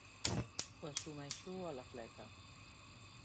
Ho assumeixo a la fleca.